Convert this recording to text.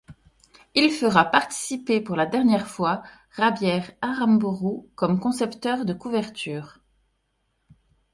Il fera participer pour la dernière fois Javier Aramburu comme concepteur de couverture.